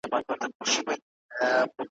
نور به مي زمانه ته شاګرد زه به استاد سمه ,